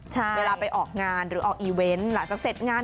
เวลาไปออกงานหรือออกอีเวนต์หลังจากเสร็จงาน